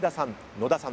野田さん